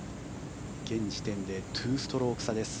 現時点で２ストローク差です